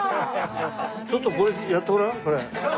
ちょっとやってごらんこれ。